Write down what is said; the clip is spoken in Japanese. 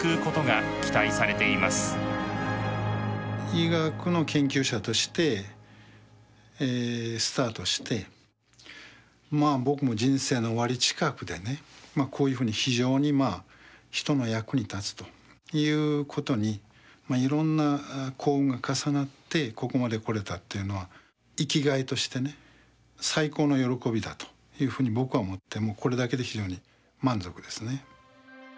医学の研究者としてスタートしてまあ僕の人生の終わり近くでねこういうふうに非常にまあ人の役に立つということにいろんな幸運が重なってここまで来れたっていうのは生きがいとしてね最高の喜びだというふうに僕は思ってもうこれだけで非常に満足ですね。